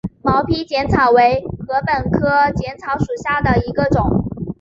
毛披碱草为禾本科披碱草属下的一个种。